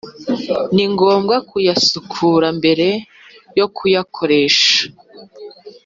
ni ngombwa kuyasukura mbere yo kuyakoresha.